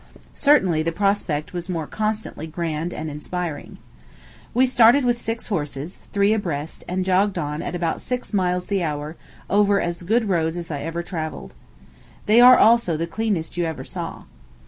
Certainly the prospect was more constantly grand and awe inspiring. We started with six horses, three abreast, and jogged on, at about six miles the hour, over as good roads as I ever travelled. They are, also, the cleanest you ever saw.